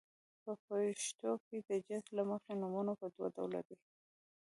په پښتو کې د جنس له مخې نومونه په دوه ډوله دي.